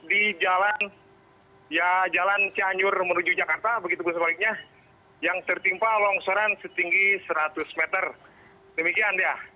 di jalan cianjur menuju jakarta begitu pun sebaliknya yang tertimpa longsoran setinggi seratus meter demikian dia